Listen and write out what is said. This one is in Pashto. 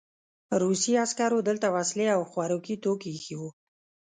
روسي عسکرو دلته وسلې او خوراکي توکي ایښي وو